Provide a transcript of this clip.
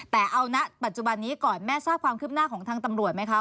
แต่เอาณปัจจุบันนี้ก่อนแม่ทราบความคืบหน้าของทางตำรวจไหมคะ